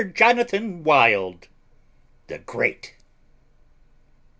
JONATHAN WILD THE GREAT.